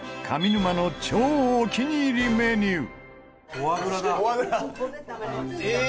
フォアグラだ！